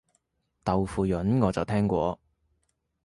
豆腐膶我就聽過